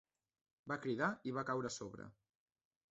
Va cridar i va caure a sobre.